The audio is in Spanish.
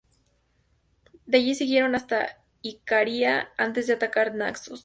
De allí siguieron hasta Icaria, antes de atacar Naxos.